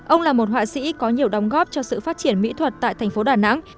ông là một họa sĩ có nhiều đóng góp cho sự phát triển mỹ thuật tại thành phố đà nẵng